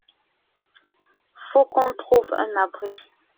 Faut qu’on trouve un abri!